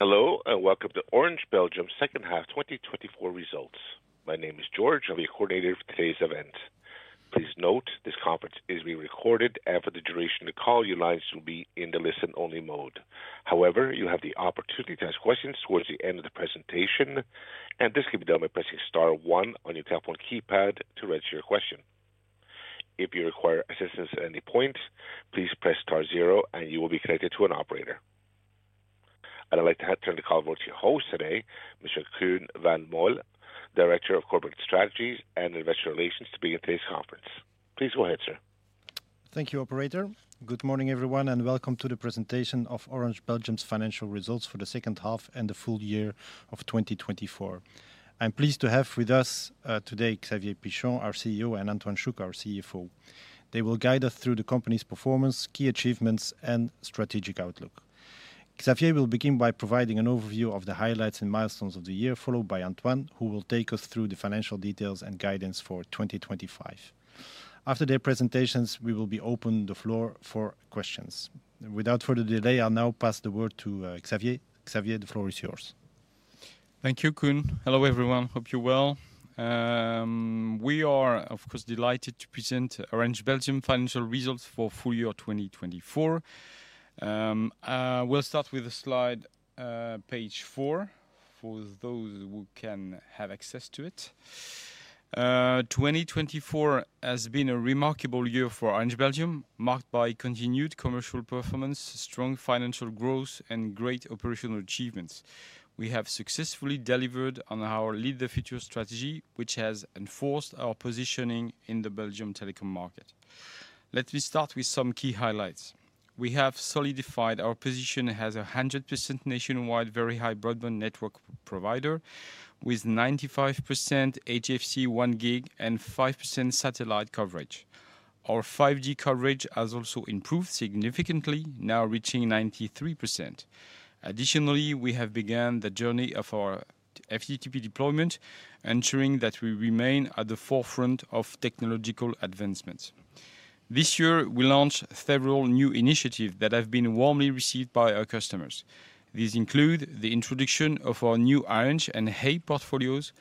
Hello, and welcome to Orange Belgium's second half 2024 results. My name is George, and I'll be your coordinator for today's event. Please note this conference is being recorded, and for the duration of the call, your lines will be in the listen-only mode. However, you have the opportunity to ask questions towards the end of the presentation, and this can be done by pressing star one on your telephone keypad to register your question. If you require assistance at any point, please press star zero, and you will be connected to an operator. I'd like to turn the call over to your host today, Mr. Koen Van Mol, Director of Corporate Strategy and Investor Relations, to begin today's conference. Please go ahead, sir. Thank you, Operator. Good morning, everyone, and welcome to the presentation of Orange Belgium's financial results for the second half and the full year of 2024. I'm pleased to have with us today Xavier Pichon, our CEO, and Antoine Chouc, our CFO. They will guide us through the company's performance, key achievements, and strategic outlook. Xavier will begin by providing an overview of the highlights and milestones of the year, followed by Antoine, who will take us through the financial details and guidance for 2025. After their presentations, we will be opening the floor for questions. Without further delay, I'll now pass the word to Xavier. Xavier, the floor is yours. Thank you, Koen. Hello, everyone. Hope you're well. We are, of course, delighted to present Orange Belgium's financial results for the full year of 2024. We'll start with the slide page four, for those who can have access to it. 2024 has been a remarkable year for Orange Belgium, marked by continued commercial performance, strong financial growth, and great operational achievements. We have successfully delivered on our Lead the Future strategy, which has reinforced our positioning in the Belgian Telecom Market. Let me start with some key highlights. We have solidified our position as a 100% nationwide very high broadband network provider, with 95% HFC 1 Gbps and 5% satellite coverage. Our 5G coverage has also improved significantly, now reaching 93%. Additionally, we have begun the journey of our FTTP deployment, ensuring that we remain at the forefront of technological advancements. This year, we launched several new initiatives that have been warmly received by our customers. These include the introduction of our new Orange and hey! portfolios,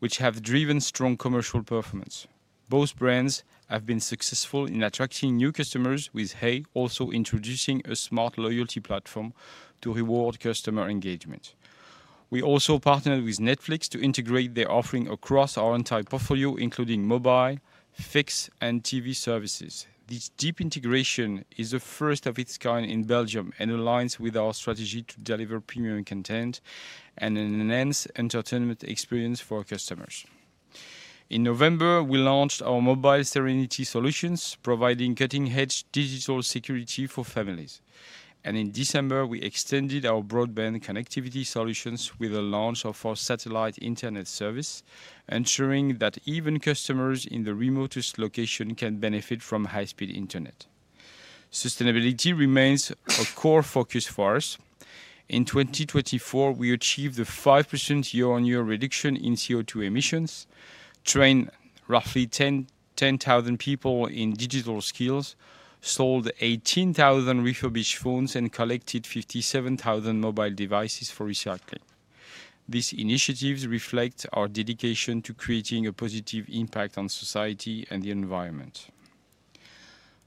which have driven strong commercial performance. Both brands have been successful in attracting new customers, with hey! also introducing a smart loyalty platform to reward customer engagement. We also partnered with Netflix to integrate their offering across our entire portfolio, including mobile, fixed, and TV services. This deep integration is the first of its kind in Belgium and aligns with our strategy to deliver premium content and enhance the entertainment experience for our customers. In November, we launched our Mobile Serenity solutions, providing cutting-edge digital security for families. And in December, we extended our broadband connectivity solutions with the launch of our satellite internet service, ensuring that even customers in the remotest location can benefit from high-speed internet. Sustainability remains a core focus for us. In 2024, we achieved a 5% year-on-year reduction in CO2 emissions, trained roughly 10,000 people in digital skills, sold 18,000 refurbished phones, and collected 57,000 mobile devices for recycling. These initiatives reflect our dedication to creating a positive impact on society and the environment.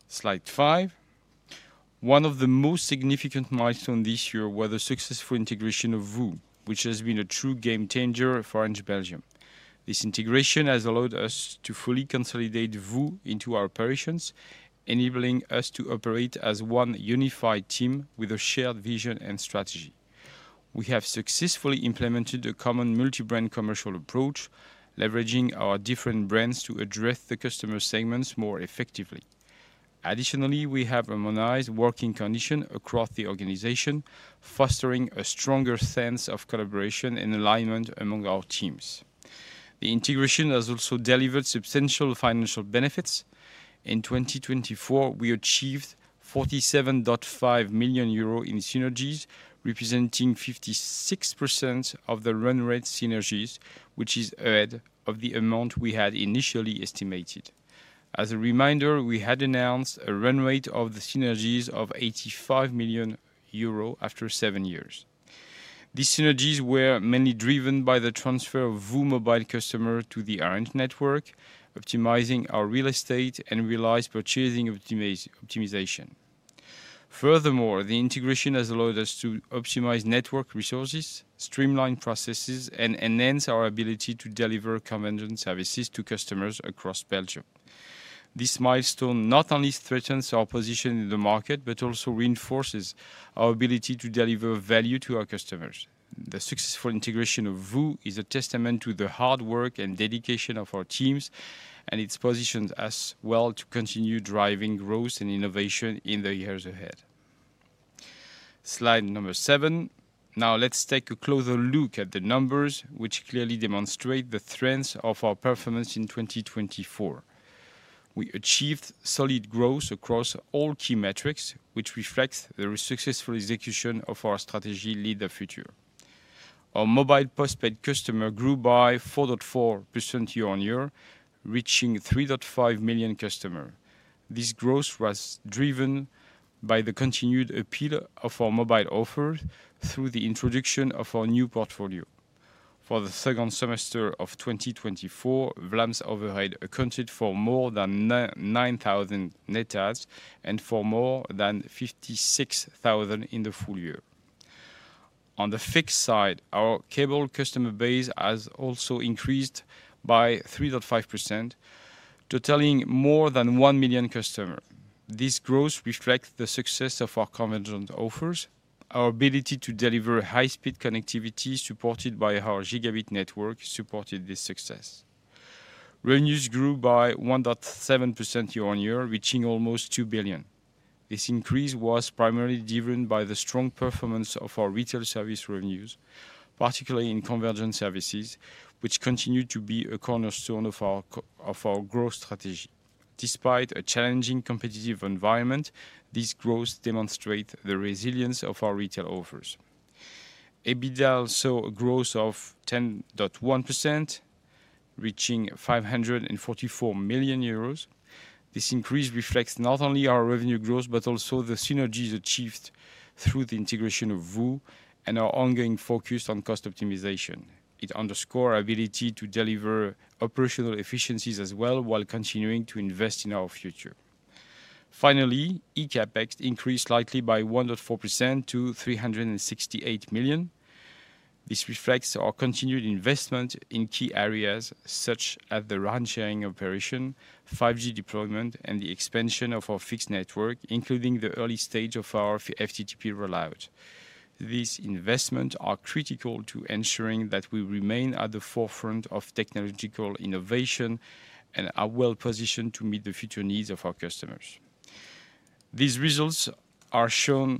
Slide five, one of the most significant milestones this year was the successful integration of VOO, which has been a true game-changer for Orange Belgium. This integration has allowed us to fully consolidate VOO into our operations, enabling us to operate as one unified team with a shared vision and strategy. We have successfully implemented a common multi-brand commercial approach, leveraging our different brands to address the customer segments more effectively. Additionally, we have harmonized working conditions across the organization, fostering a stronger sense of collaboration and alignment among our teams. The integration has also delivered substantial financial benefits. In 2024, we achieved 47.5 million euros in synergies, representing 56% of the run-rate synergies, which is ahead of the amount we had initially estimated. As a reminder, we had announced a run-rate of the synergies of 85 million euro after seven years. These synergies were mainly driven by the transfer of VOO mobile customers to the Orange network, optimizing our real estate and realized purchasing optimization. Furthermore, the integration has allowed us to optimize network resources, streamline processes, and enhance our ability to deliver convenient services to customers across Belgium. This milestone not only strengthens our position in the market but also reinforces our ability to deliver value to our customers. The successful integration of VOO is a testament to the hard work and dedication of our teams, and it positions us well to continue driving growth and innovation in the years ahead. Slide number seven. Now, let's take a closer look at the numbers, which clearly demonstrate the strengths of our performance in 2024. We achieved solid growth across all key metrics, which reflects the successful execution of our strategy Lead the Future. Our mobile postpaid customer grew by 4.4% year-on-year, reaching 3.5 million customers. This growth was driven by the continued appeal of our mobile offer through the introduction of our new portfolio. For the second semester of 2024, Vlaamse Overheid accounted for more than 9,000 net adds and for more than 56,000 in the full year. On the fixed side, our cable customer base has also increased by 3.5%, totaling more than 1 million customers. This growth reflects the success of our convergent offers. Our ability to deliver high-speed connectivity, supported by our Gigabit network, supported this success. Revenues grew by 1.7% year-on-year, reaching almost 2 billion. This increase was primarily driven by the strong performance of our retail service revenues, particularly in convergent services, which continue to be a cornerstone of our growth strategy. Despite a challenging competitive environment, this growth demonstrates the resilience of our retail offers. EBITDA also grew by 10.1%, reaching 544 million euros. This increase reflects not only our revenue growth but also the synergies achieved through the integration of VOO and our ongoing focus on cost optimization. It underscores our ability to deliver operational efficiencies as well while continuing to invest in our future. Finally, eCAPEX increased slightly by 1.4% to 368 million. This reflects our continued investment in key areas such as the RAN-sharing operation, 5G deployment, and the expansion of our fixed network, including the early stage of our FTTP rollout. These investments are critical to ensuring that we remain at the forefront of technological innovation and are well-positioned to meet the future needs of our customers. These results show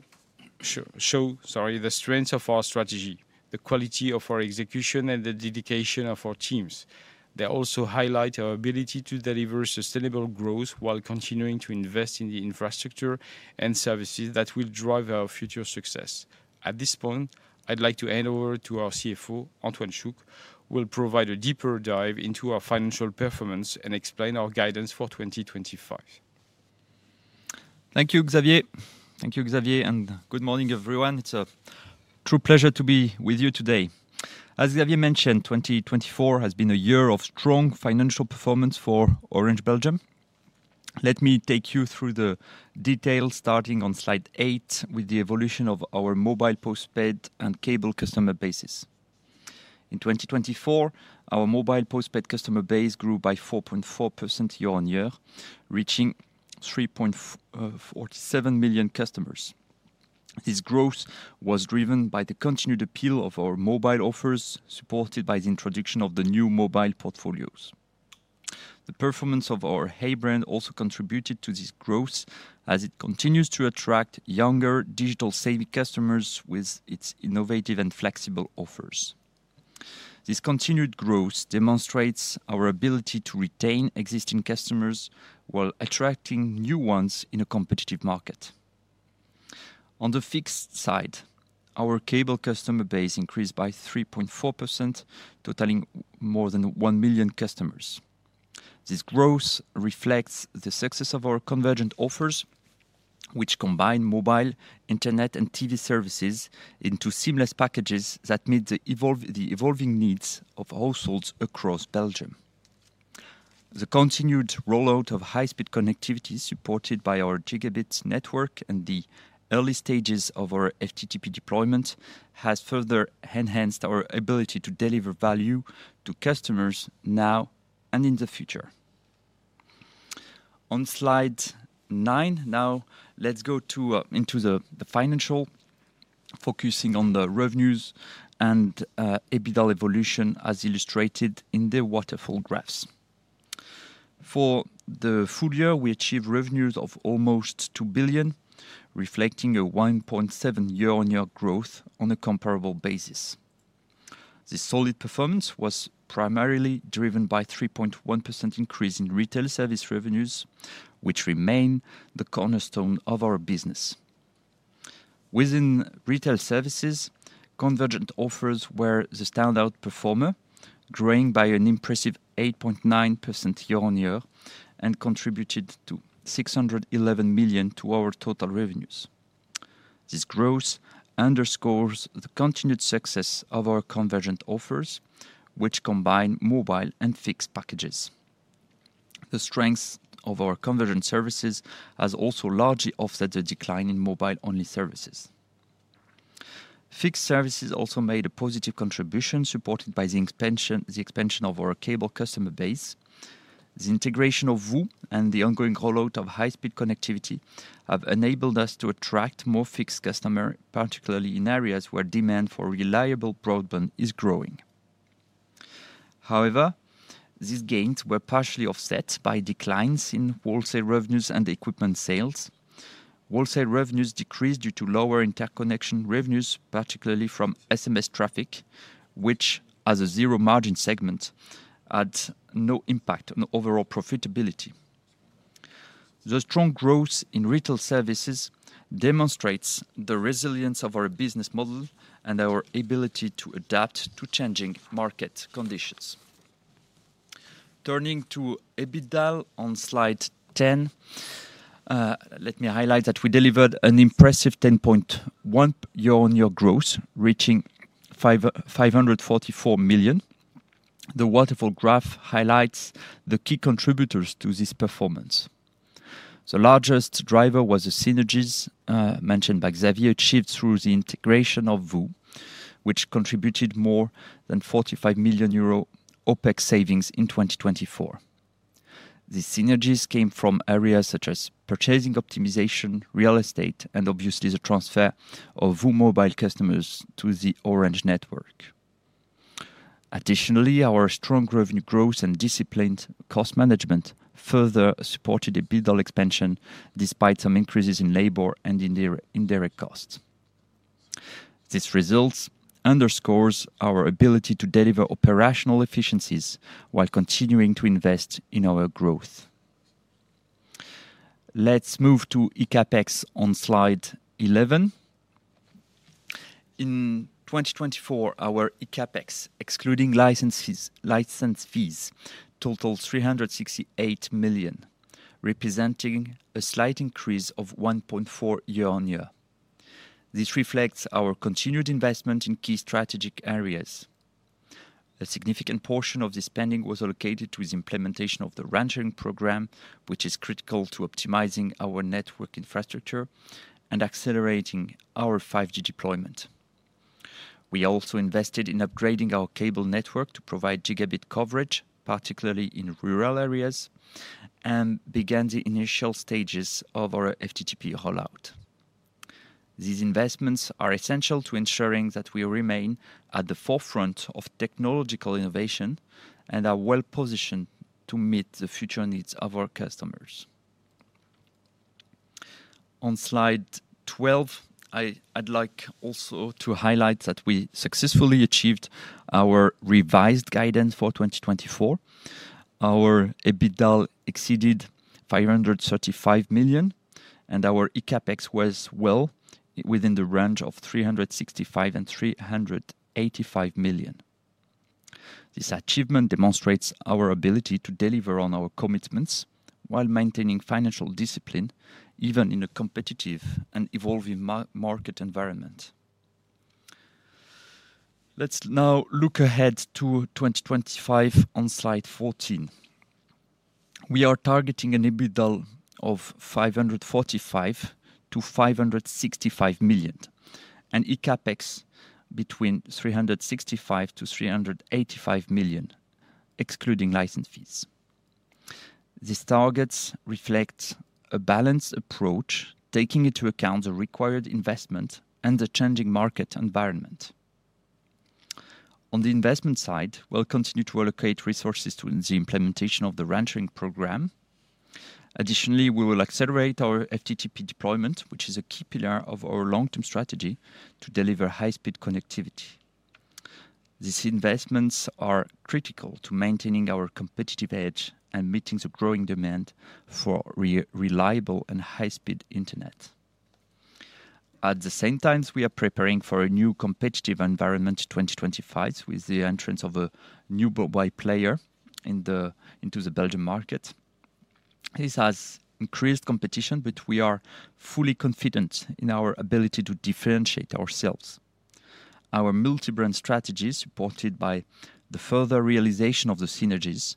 the strengths of our strategy, the quality of our execution, and the dedication of our teams. They also highlight our ability to deliver sustainable growth while continuing to invest in the infrastructure and services that will drive our future success. At this point, I'd like to hand over to our CFO, Antoine Chouc, who will provide a deeper dive into our financial performance and explain our guidance for 2025. Thank you, Xavier. Thank you, Xavier, and good morning, everyone. It's a true pleasure to be with you today. As Xavier mentioned, 2024 has been a year of strong financial performance for Orange Belgium. Let me take you through the details, starting on slide 8, with the evolution of our mobile postpaid and cable customer bases. In 2024, our mobile postpaid customer base grew by 4.4% year-on-year, reaching 3.47 million customers. This growth was driven by the continued appeal of our mobile offers, supported by the introduction of the new mobile portfolios. The performance of our hey! brand also contributed to this growth, as it continues to attract younger digital savvy customers with its innovative and flexible offers. This continued growth demonstrates our ability to retain existing customers while attracting new ones in a competitive market. On the fixed side, our cable customer base increased by 3.4%, totaling more than 1 million customers. This growth reflects the success of our convergent offers, which combine mobile internet and TV services into seamless packages that meet the evolving needs of households across Belgium. The continued rollout of high-speed connectivity, supported by our Gigabit network and the early stages of our FTTP deployment, has further enhanced our ability to deliver value to customers now and in the future. On slide nine now, let's go into the financial, focusing on the revenues and EBITDA evolution, as illustrated in the waterfall graphs. For the full year, we achieved revenues of almost 2 billion, reflecting a 1.7% year-on-year growth on a comparable basis. This solid performance was primarily driven by a 3.1% increase in retail service revenues, which remain the cornerstone of our business. Within retail services, convergent offers were the standout performer, growing by an impressive 8.9% year-on-year and contributed to 611 million to our total revenues. This growth underscores the continued success of our convergent offers, which combine mobile and fixed packages. The strength of our convergent services has also largely offset the decline in mobile-only services. Fixed services also made a positive contribution, supported by the expansion of our cable customer base. The integration of VOO and the ongoing rollout of high-speed connectivity have enabled us to attract more fixed customers, particularly in areas where demand for reliable broadband is growing. However, these gains were partially offset by declines in wholesale revenues and equipment sales. Wholesale revenues decreased due to lower interconnection revenues, particularly from SMS traffic, which, as a zero-margin segment, had no impact on overall profitability. The strong growth in retail services demonstrates the resilience of our business model and our ability to adapt to changing market conditions. Turning to EBITDA on slide 10, let me highlight that we delivered an impressive 10.1 year-on-year growth, reaching 544 million. The waterfall graph highlights the key contributors to this performance. The largest driver was the synergies mentioned by Xavier, achieved through the integration of VOO, which contributed more than 45 million euro OPEX savings in 2024. These synergies came from areas such as purchasing optimization, real estate, and obviously the transfer of VOO mobile customers to the Orange network. Additionally, our strong revenue growth and disciplined cost management further supported EBITDA expansion, despite some increases in labor and in direct costs. This result underscores our ability to deliver operational efficiencies while continuing to invest in our growth. Let's move to eCAPEX on slide 11. In 2024, our eCAPEX, excluding license fees, totaled 368 million, representing a slight increase of 1.4% year-on-year. This reflects our continued investment in key strategic areas. A significant portion of this spending was allocated to the implementation of the RAN-sharing program, which is critical to optimizing our network infrastructure and accelerating our 5G deployment. We also invested in upgrading our cable network to provide gigabit coverage, particularly in rural areas, and began the initial stages of our FTTP rollout. These investments are essential to ensuring that we remain at the forefront of technological innovation and are well-positioned to meet the future needs of our customers. On slide 12, I'd like also to highlight that we successfully achieved our revised guidance for 2024. Our EBITDA exceeded 535 million, and our eCAPEX was well within the range of 365-385 million. This achievement demonstrates our ability to deliver on our commitments while maintaining financial discipline, even in a competitive and evolving market environment. Let's now look ahead to 2025 on slide 14. We are targeting an EBITDA of 545-565 million, and eCAPEX between 365-385 million, excluding license fees. These targets reflect a balanced approach, taking into account the required investment and the changing market environment. On the investment side, we'll continue to allocate resources to the implementation of the RAN-sharing program. Additionally, we will accelerate our FTTP deployment, which is a key pillar of our long-term strategy to deliver high-speed connectivity. These investments are critical to maintaining our competitive edge and meeting the growing demand for reliable and high-speed internet. At the same time, we are preparing for a new competitive environment in 2025 with the entrance of a new worldwide player into the Belgian market. This has increased competition, but we are fully confident in our ability to differentiate ourselves. Our multi-brand strategy, supported by the further realization of the synergies,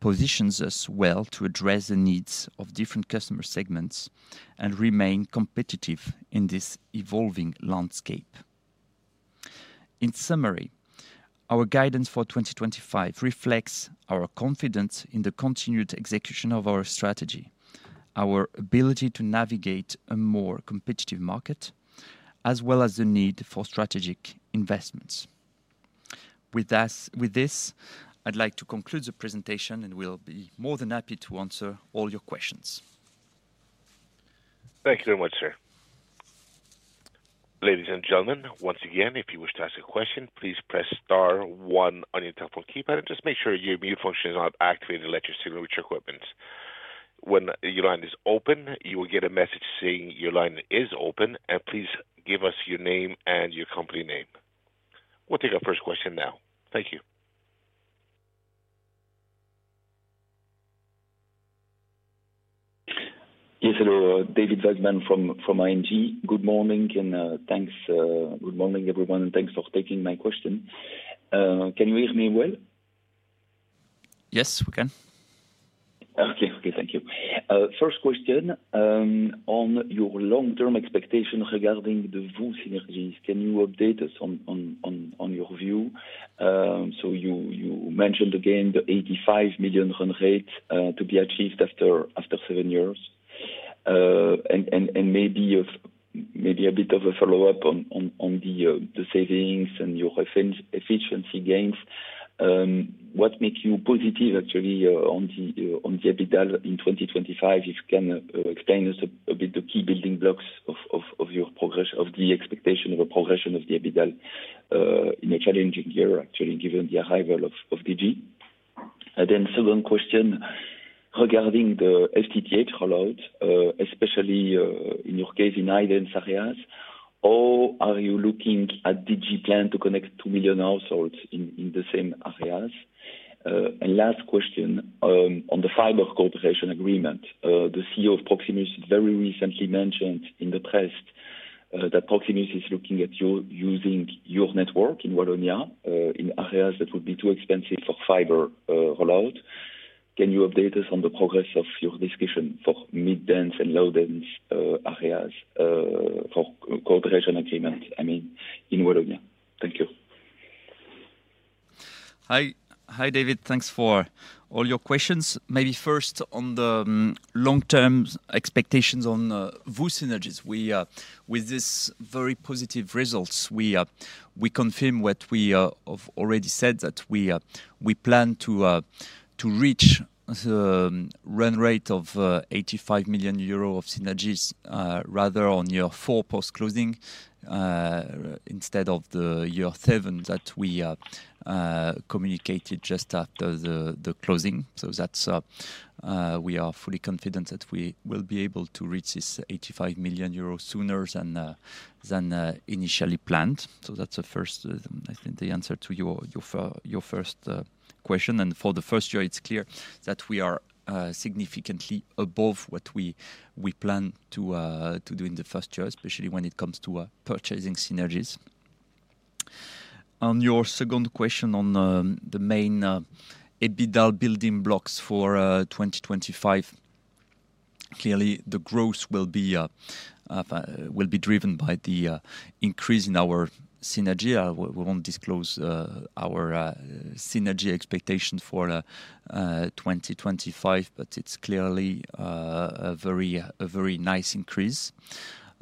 positions us well to address the needs of different customer segments and remain competitive in this evolving landscape. In summary, our guidance for 2025 reflects our confidence in the continued execution of our strategy, our ability to navigate a more competitive market, as well as the need for strategic investments. With this, I'd like to conclude the presentation and will be more than happy to answer all your questions. Thank you very much, sir. Ladies and gentlemen, once again, if you wish to ask a question, please press star one on your telephone keypad and just make sure your mute function is not activated and let your signal reach your equipment. When your line is open, you will get a message saying your line is open and please give us your name and your company name. We'll take our first question now. Thank you. Yes, hello, David Vagman from ING. Good morning and thanks. Good morning, everyone, and thanks for taking my question. Can you hear me well? Yes, we can. Okay, okay, thank you. First question, on your long-term expectation regarding the VOO synergies, can you update us on your view? So you mentioned again the 85 million run-rate to be achieved after seven years. And maybe a bit of a follow-up on the savings and your efficiency gains. What makes you positive, actually, on the EBITDA in 2025? If you can explain us a bit the key building blocks of your progress, of the expectation of a progression of the EBITDA in a challenging year, actually, given the arrival of Digi. And then second question, regarding the FTTH rollout, especially in your case in high-density areas, or are you looking at Digi plan to connect two million households in the same areas? Last question, on the fiber cooperation agreement, the CEO of Proximus very recently mentioned in the press that Proximus is looking at using your network in Wallonia in areas that would be too expensive for fiber rollout. Can you update us on the progress of your discussion for mid-dense and low-dense areas for cooperation agreement, I mean, in Wallonia? Thank you. Hi, David. Thanks for all your questions. Maybe first on the long-term expectations on VOO synergies. With these very positive results, we confirm what we have already said, that we plan to reach the run-rate of 85 million euro of synergies rather on year four post-closing instead of the year seven that we communicated just after the closing. So we are fully confident that we will be able to reach this 85 million euros sooner than initially planned. So that's the first, I think, the answer to your first question. And for the first year, it's clear that we are significantly above what we plan to do in the first year, especially when it comes to purchasing synergies. On your second question on the main EBITDA building blocks for 2025, clearly the growth will be driven by the increase in our synergy. We won't disclose our synergy expectations for 2025, but it's clearly a very nice increase.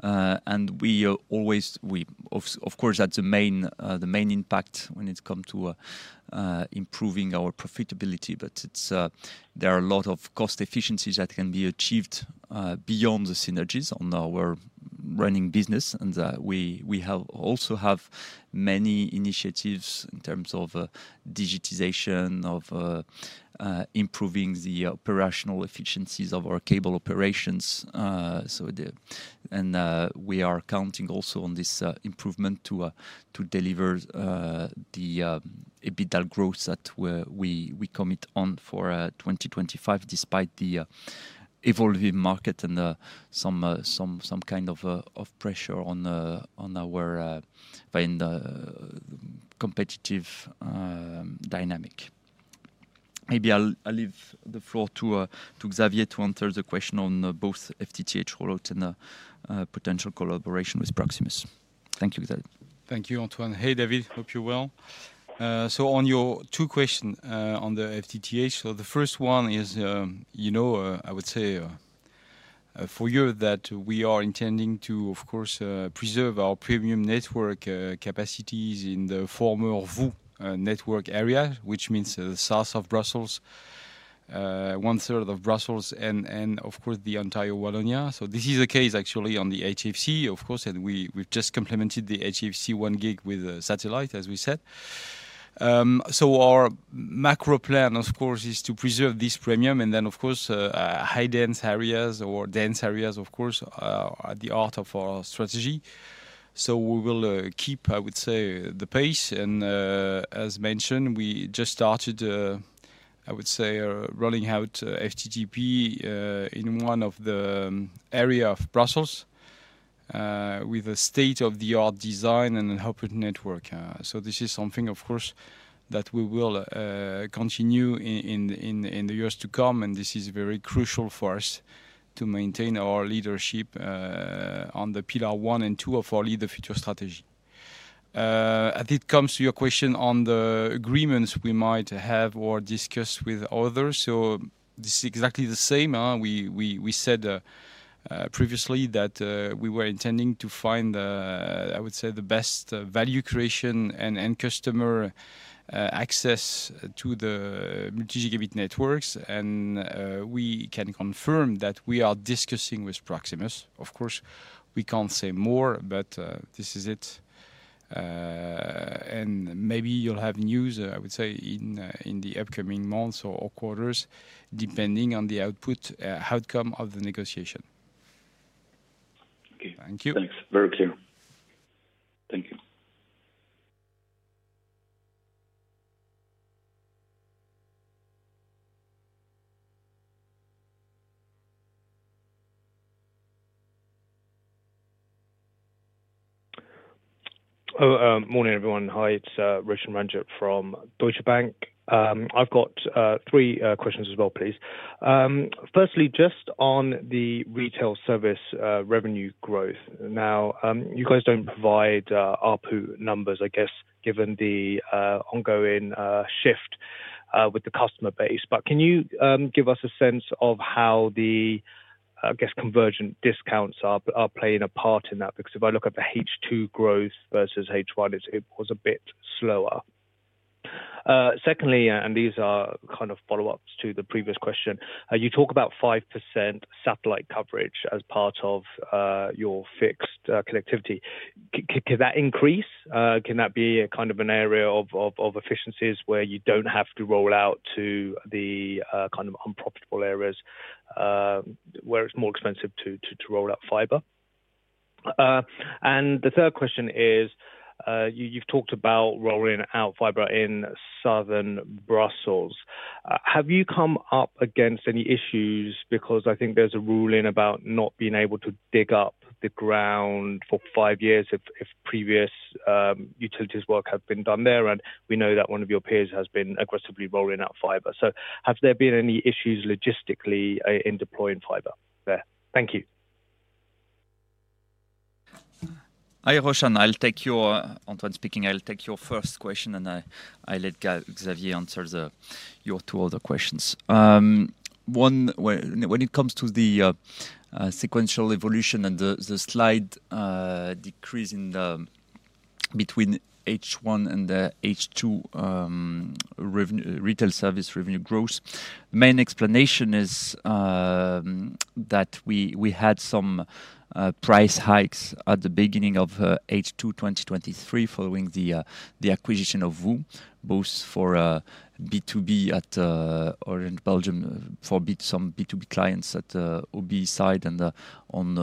And of course, that's the main impact when it comes to improving our profitability, but there are a lot of cost efficiencies that can be achieved beyond the synergies on our running business. And we also have many initiatives in terms of digitization, of improving the operational efficiencies of our cable operations. And we are counting also on this improvement to deliver the EBITDA growth that we commit on for 2025, despite the evolving market and some kind of pressure on our competitive dynamic. Maybe I'll leave the floor to Xavier to answer the question on both FTTH rollout and potential collaboration with Proximus. Thank you, Xavier. Thank you, Antoine. Hey, David, hope you're well, so on your two questions on the FTTH, so the first one is, I would say for you that we are intending to, of course, preserve our premium network capacities in the former VOO network area, which means the south of Brussels, one-third of Brussels, and of course, the entire Wallonia, so this is the case actually on the HFC, of course, and we've just complemented the HFC one Gb with satellite, as we said, so our macro plan, of course, is to preserve this premium and then, of course, high-dense areas or dense areas, of course, are at the heart of our strategy, so we will keep, I would say, the pace and as mentioned, we just started, I would say, rolling out FTTP in one of the areas of Brussels with a state-of-the-art design and an open network. So this is something, of course, that we will continue in the years to come, and this is very crucial for us to maintain our leadership on the pillar one and two of our Lead the Future strategy. As it comes to your question on the agreements we might have or discuss with others, so this is exactly the same. We said previously that we were intending to find, I would say, the best value creation and customer access to the multi-Gb networks, and we can confirm that we are discussing with Proximus. Of course, we can't say more, but this is it. And maybe you'll have news, I would say, in the upcoming months or quarters, depending on the outcome of the negotiation. Thank you. Thanks. Very clear. Thank you. Morning, everyone. Hi, it's Roshan Ranjit from Deutsche Bank. I've got three questions as well, please. Firstly, just on the retail service revenue growth. Now, you guys don't provide APU numbers, I guess, given the ongoing shift with the customer base. But can you give us a sense of how the, I guess, convergent discounts are playing a part in that? Because if I look at the H2 growth versus H1, it was a bit slower. Secondly, and these are kind of follow-ups to the previous question, you talk about 5% satellite coverage as part of your fixed connectivity. Can that increase? Can that be kind of an area of efficiencies where you don't have to roll out to the kind of unprofitable areas where it's more expensive to roll out fiber? And the third question is, you've talked about rolling out fiber in southern Brussels. Have you come up against any issues? Because I think there's a ruling about not being able to dig up the ground for five years if previous utilities work have been done there, and we know that one of your peers has been aggressively rolling out fiber. So have there been any issues logistically in deploying fiber there? Thank you. Hi Roshan, I'll take your, Antoine speaking, I'll take your first question, and I'll let Xavier answer your two other questions. One, when it comes to the sequential evolution and the slight decrease between H1 and the H2 retail service revenue growth, the main explanation is that we had some price hikes at the beginning of H2 2023 following the acquisition of VOO, both for B2B at Orange Belgium for some B2B clients at OB side and on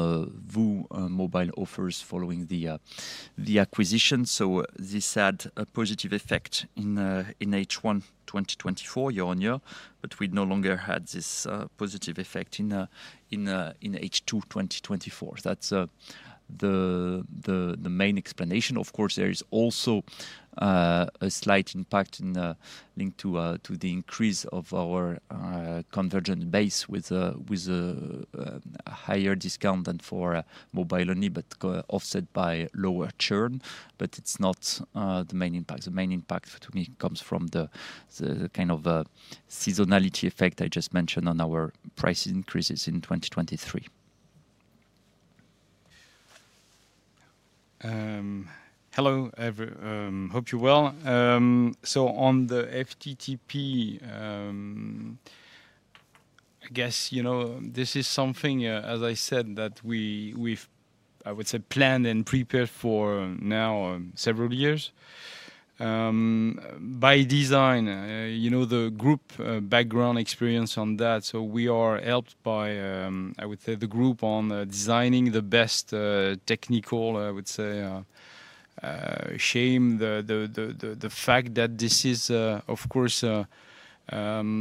VOO mobile offers following the acquisition. So this had a positive effect in H1 2024 year on year, but we no longer had this positive effect in H2 2024. That's the main explanation. Of course, there is also a slight impact linked to the increase of our convergent base with a higher discount than for mobile only, but offset by lower churn, but it's not the main impact. The main impact to me comes from the kind of seasonality effect I just mentioned on our price increases in 2023. Hello, hope you're well. So on the FTTP, I guess this is something, as I said, that we've, I would say, planned and prepared for now several years. By design, the group background experience on that, so we are helped by, I would say, the group on designing the best technical, I would say, scheme, the fact that this is, of course,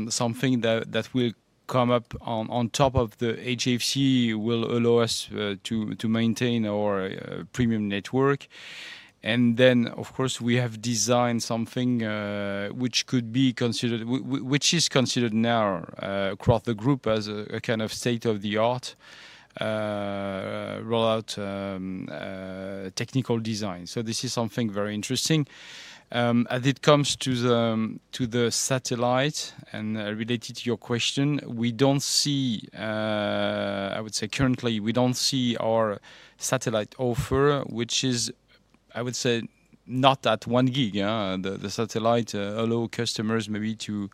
something that will come up on top of the HFC will allow us to maintain our premium network. And then, of course, we have designed something which is considered now across the group as a kind of state-of-the-art rollout technical design. So this is something very interesting. As it comes to the satellite and related to your question, we don't see, I would say, currently, we don't see our satellite offer, which is, I would say, not at one gig. The satellite allows customers maybe to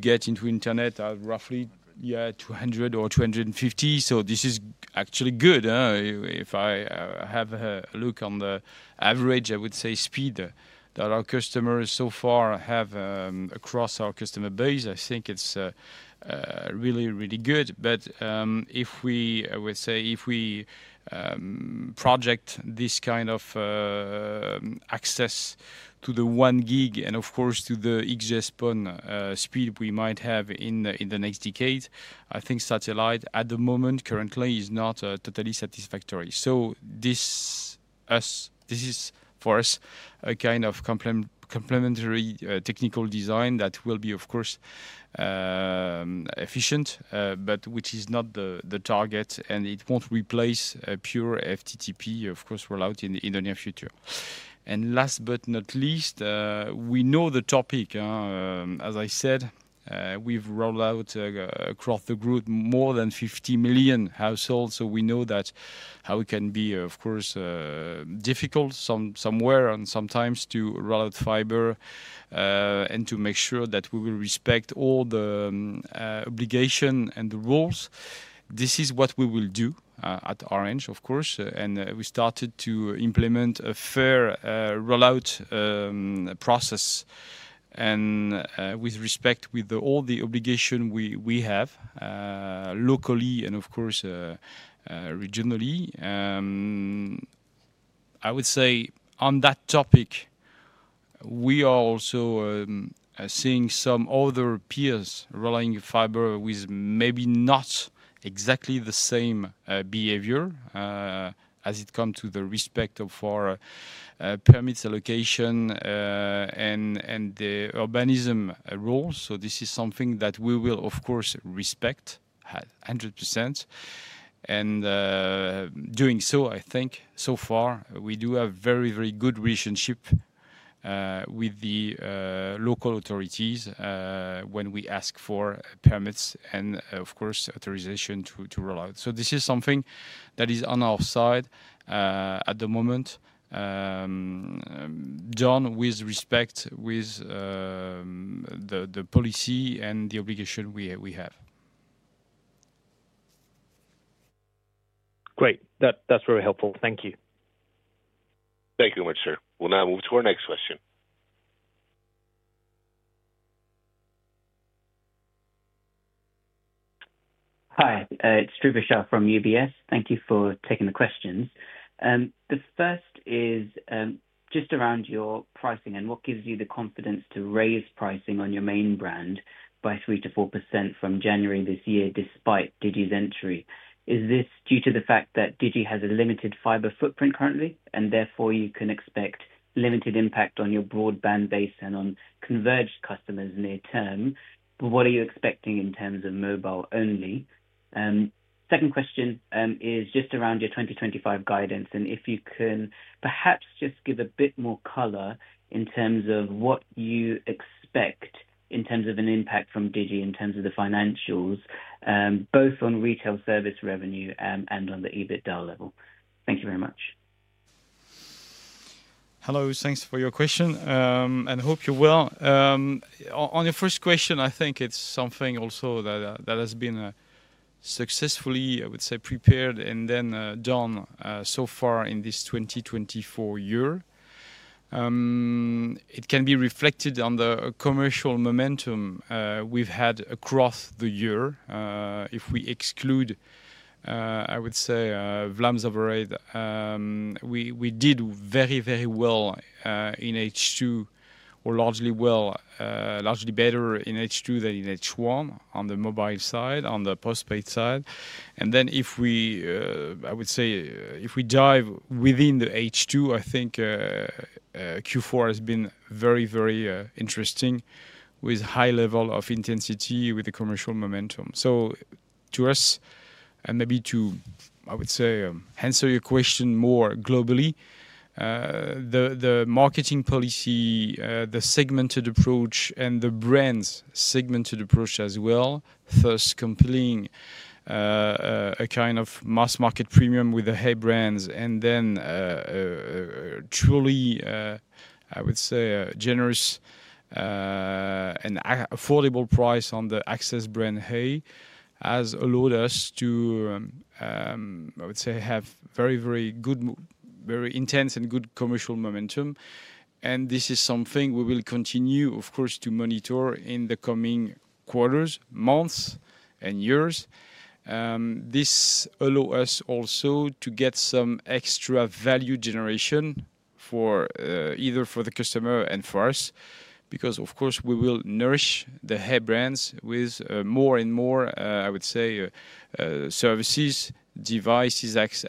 get into internet at roughly, yeah, 200 or 250, so this is actually good. If I have a look on the average, I would say, speed that our customers so far have across our customer base, I think it's really, really good. But if we, I would say, if we project this kind of access to the one gig and, of course, to the XGS-PON speed we might have in the next decade, I think satellite at the moment currently is not totally satisfactory, so this is for us a kind of complementary technical design that will be, of course, efficient, but which is not the target, and it won't replace pure FTTP, of course, rollout in the near future, and last but not least, we know the topic. As I said, we've rolled out across the group more than 50 million households. So we know that how it can be, of course, difficult somewhere and sometimes to roll out fiber and to make sure that we will respect all the obligations and the rules. This is what we will do at Orange, of course. And we started to implement a fair rollout process. And with respect with all the obligations we have locally and, of course, regionally, I would say on that topic, we are also seeing some other peers rolling fiber with maybe not exactly the same behavior as it comes to the respect of our permits allocation and the urbanism rules. So this is something that we will, of course, respect 100%. And doing so, I think so far, we do have very, very good relationship with the local authorities when we ask for permits and, of course, authorization to roll out. So, this is something that is on our side at the moment, done with respect to the policy and the obligation we have. Great. That's very helpful. Thank you. Thank you very much, sir. We'll now move to our next question. Hi, it's Andreas Bischoff from UBS. Thank you for taking the questions. The first is just around your pricing and what gives you the confidence to raise pricing on your main brand by 3%-4% from January this year despite Digi's entry. Is this due to the fact that Digi has a limited fiber footprint currently and therefore you can expect limited impact on your broadband base and on converged customers near term? But what are you expecting in terms of mobile only? Second question is just around your 2025 guidance and if you can perhaps just give a bit more color in terms of what you expect in terms of an impact from Digi in terms of the financials, both on retail service revenue and on the EBITDA level. Thank you very much. Hello, thanks for your question and hope you're well. On your first question, I think it's something also that has been successfully, I would say, prepared and then done so far in this 2024 year. It can be reflected on the commercial momentum we've had across the year. If we exclude, I would say, Vlaamse Overheid, we did very, very well in H2 or largely better in H2 than in H1 on the mobile side, on the postpaid side. And then if we, I would say, if we dive within the H2, I think Q4 has been very, very interesting with high level of intensity with the commercial momentum. To us, and maybe to, I would say, answer your question more globally, the marketing policy, the segmented approach, and the brands' segmented approach as well, thus completing a kind of mass market premium with the hey! brands and then truly, I would say, generous and affordable price on the access brand hey! has allowed us to, I would say, have very, very intense and good commercial momentum, and this is something we will continue, of course, to monitor in the coming quarters, months, and years. This allows us also to get some extra value generation either for the customer and for us because, of course, we will nourish the hey! brands with more and more, I would say, services,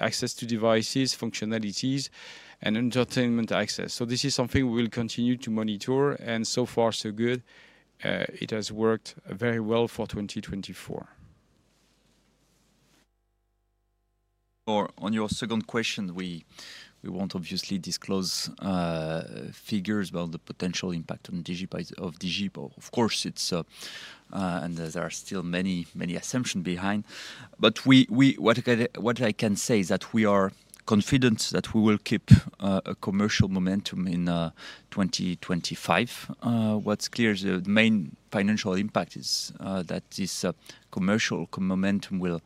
access to devices, functionalities, and entertainment access, so this is something we will continue to monitor, and so far, so good. It has worked very well for 2024. Or on your second question, we won't obviously disclose figures about the potential impact of Digi. Of course, it's, and there are still many, many assumptions behind. But what I can say is that we are confident that we will keep a commercial momentum in 2025. What's clear is the main financial impact is that this commercial momentum will,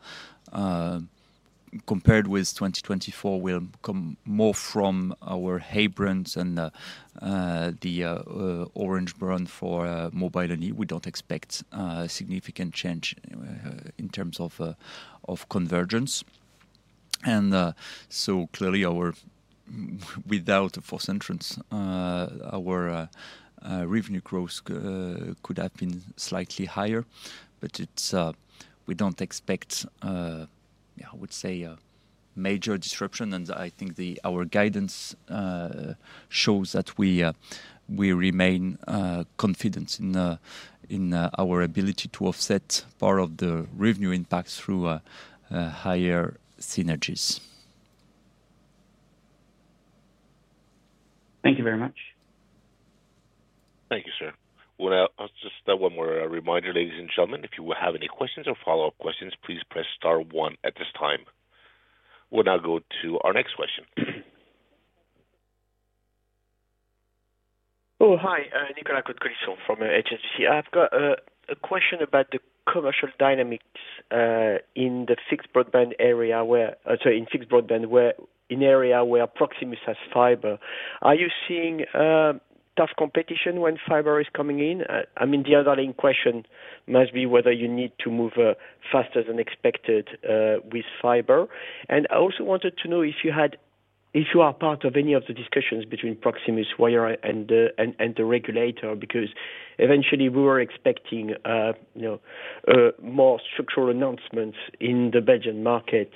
compared with 2024, come more from our hey! brand and the Orange brand for mobile only. We don't expect significant change in terms of convergence. And so clearly, without a fourth entrant, our revenue growth could have been slightly higher. But we don't expect, I would say, major disruption. And I think our guidance shows that we remain confident in our ability to offset part of the revenue impact through higher synergies. Thank you very much. Thank you, sir. Just one more reminder, ladies and gentlemen, if you have any questions or follow-up questions, please press star one at this time. We'll now go to our next question. Oh, hi, Nicolas Cote-Colisson from HSBC. I've got a question about the commercial dynamics in the fixed broadband area where Proximus has fiber. Are you seeing tough competition when fiber is coming in? I mean, the underlying question must be whether you need to move faster than expected with fiber. And I also wanted to know if you are part of any of the discussions between Proximus, Wyre, and the regulator, because eventually we were expecting more structural announcements in the Belgian market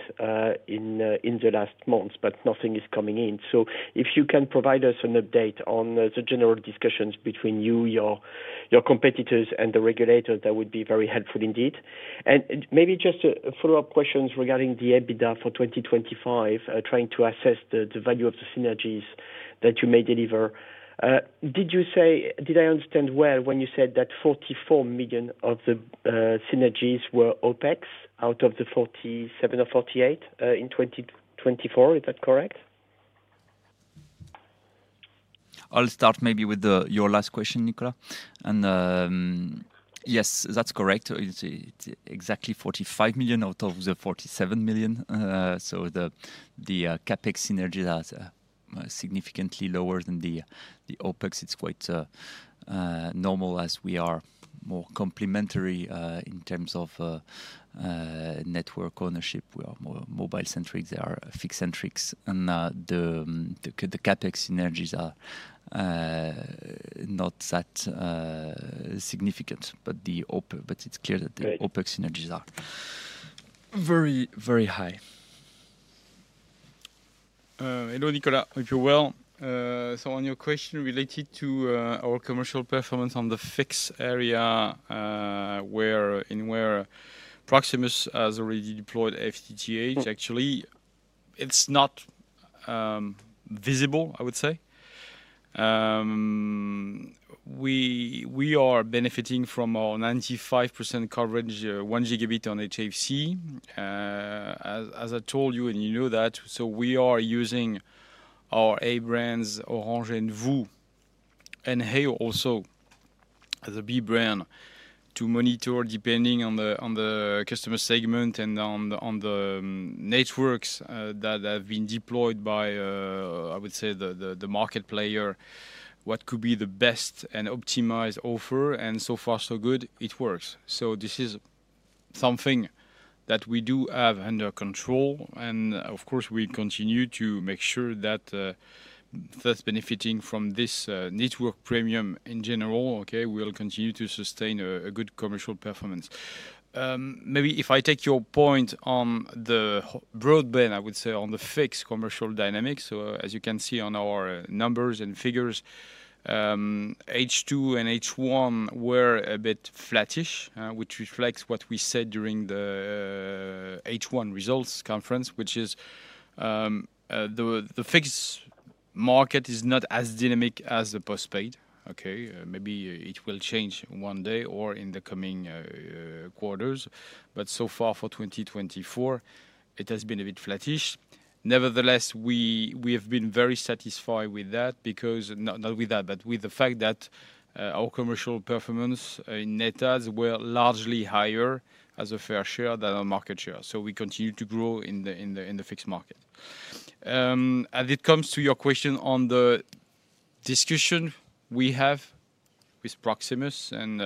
in the last months, but nothing is coming in. So if you can provide us an update on the general discussions between you, your competitors, and the regulator, that would be very helpful indeed. And maybe just a follow-up question regarding the EBITDA for 2025, trying to assess the value of the synergies that you may deliver. Did I understand well when you said that 44 million of the synergies were OPEX out of the 47 or 48 in 2024? Is that correct? I'll start maybe with your last question, Nicolas, and yes, that's correct. It's exactly 45 million EUR out of the 47 million EUR, so the CapEx synergy is significantly lower than the OPEX. It's quite normal as we are more complementary in terms of network ownership. We are more mobile-centric. They are fixed-centric, and the CapEx synergies are not that significant, but it's clear that the OPEX synergies are very, very high. Hello, Nicolas. If you're well. So on your question related to our commercial performance on the fixed area where Proximus has already deployed FTTH, actually, it's not visible, I would say. We are benefiting from our 95% coverage, one gigabit on HFC, as I told you, and you know that. So we are using our A brands, Orange and VOO, and hey! also as a B brand to monitor depending on the customer segment and on the networks that have been deployed by, I would say, the market player, what could be the best and optimized offer. And so far, so good, it works. So this is something that we do have under control. And of course, we continue to make sure that those benefiting from this network premium in general, okay, will continue to sustain a good commercial performance. Maybe if I take your point on the broadband, I would say on the fixed commercial dynamics. So as you can see on our numbers and figures, H2 and H1 were a bit flattish, which reflects what we said during the H1 results conference, which is the fixed market is not as dynamic as the postpaid. Okay, maybe it will change one day or in the coming quarters. But so far for 2024, it has been a bit flattish. Nevertheless, we have been very satisfied with that because not with that, but with the fact that our commercial performance in net adds were largely higher as a fair share than a market share. So we continue to grow in the fixed market. As it comes to your question on the discussion we have with Proximus, and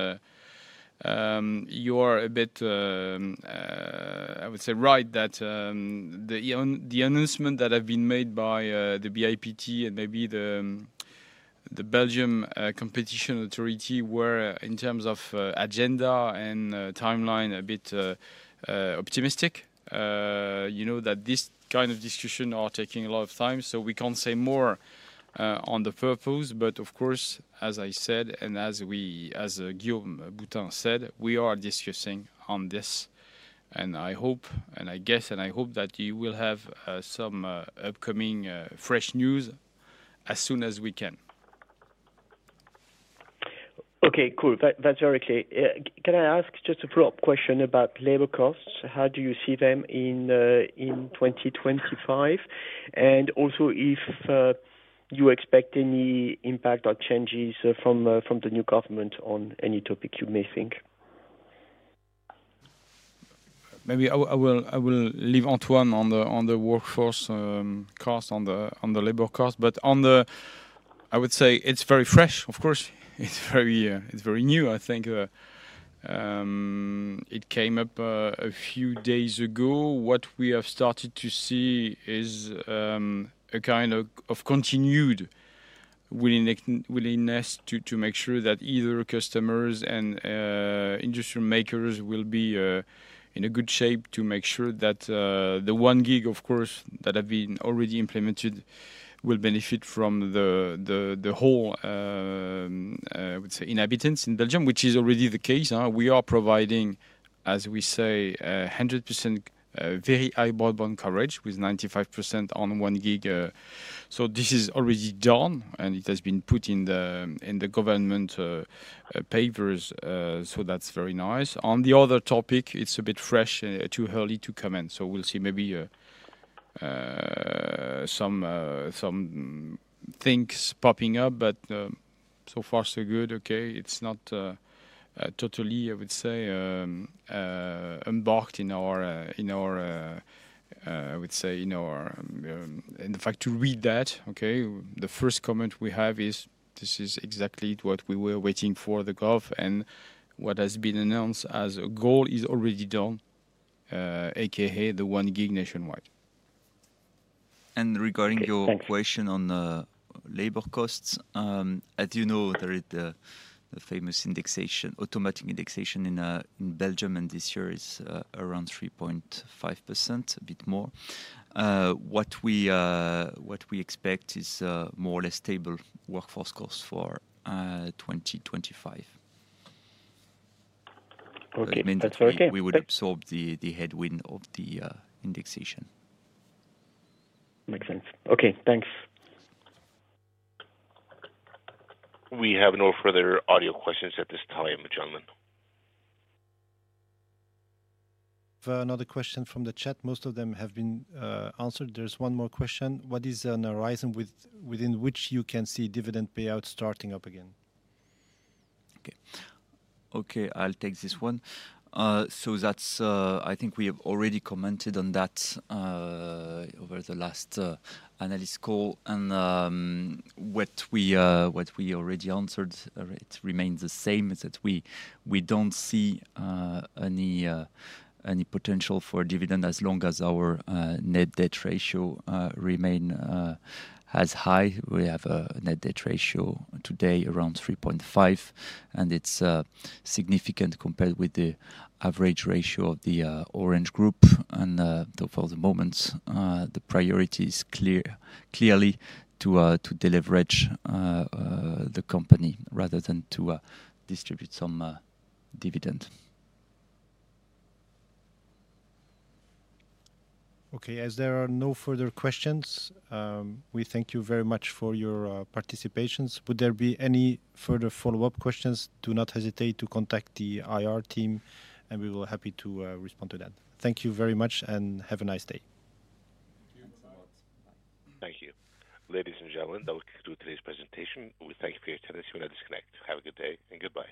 you are a bit, I would say, right that the announcement that has been made by the BIPT and maybe the Belgian competition authority were in terms of agenda and timeline a bit optimistic. You know that this kind of discussion is taking a lot of time, so we can't say more on the purpose, but of course, as I said, and as Guillaume Boutin said, we are discussing on this, and I hope, and I guess, and I hope that you will have some upcoming fresh news as soon as we can. Okay, cool. That's very clear. Can I ask just a follow-up question about labor costs? How do you see them in 2025? And also if you expect any impact or changes from the new government on any topic you may think? Maybe I will leave Antoine on the workforce cost, on the labor cost. But I would say it's very fresh, of course. It's very new. I think it came up a few days ago. What we have started to see is a kind of continued willingness to make sure that either customers and industry makers will be in a good shape to make sure that the 1 gig, of course, that has been already implemented will benefit from the whole, I would say, inhabitants in Belgium, which is already the case. We are providing, as we say, 100% very high broadband coverage with 95% on 1 gig. So this is already done and it has been put in the government papers. So that's very nice. On the other topic, it's a bit fresh and too early to comment. So we'll see maybe some things popping up, but so far, so good. Okay, it's not totally, I would say, embarked in our, in fact, too early to read that, okay. The first comment we have is this is exactly what we were waiting for, the goal, and what has been announced as a goal is already done, aka the 1 gig nationwide. Regarding your question on labor costs, as you know, there is the famous automated indexation in Belgium and this year is around 3.5%, a bit more. What we expect is more or less stable workforce costs for 2025. Okay, that's okay. We would absorb the headwind of the indexation. Makes sense. Okay, thanks. We have no further audio questions at this time, gentlemen. Another question from the chat. Most of them have been answered. There's one more question. What is a horizon within which you can see dividend payouts starting up again? Okay, I'll take this one. So I think we have already commented on that over the last analyst call. And what we already answered, it remains the same is that we don't see any potential for dividend as long as our net debt ratio remains as high. We have a net debt ratio today around 3.5, and it's significant compared with the average ratio of the Orange Group. And for the moment, the priority is clearly to deleverage the company rather than to distribute some dividend. Okay, as there are no further questions, we thank you very much for your participation. Would there be any further follow-up questions? Do not hesitate to contact the IR team, and we will be happy to respond to that. Thank you very much and have a nice day. Thank you. Thank you. Ladies and gentlemen, that will conclude today's presentation. We thank you for your attendance. You may now disconnect. Have a good day and goodbye.